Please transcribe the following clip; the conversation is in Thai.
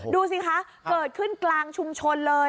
ดูสิคะเกิดขึ้นกลางชุมชนเลย